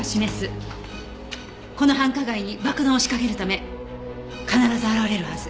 この繁華街に爆弾を仕掛けるため必ず現れるはず。